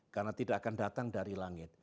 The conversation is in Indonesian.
karena tidak akan datang dari langit